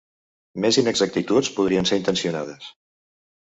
Més inexactituds podrien ser intencionades.